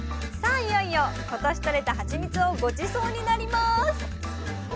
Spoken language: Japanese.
いよいよ今年とれたハチミツをごちそうになります。